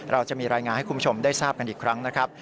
เราจะมีรายงานให้คุณผู้ชมได้ทราบกันอีกครั้งนะครับ